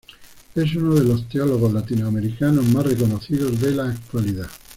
Es uno de los teólogos latinoamericanos más reconocidos de la actualidad.